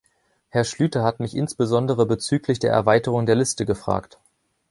Herr Schlyter hat mich insbesondere bezüglich der Erweiterung der Liste gefragt.